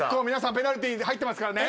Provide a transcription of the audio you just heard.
ペナルティー入ってますからね。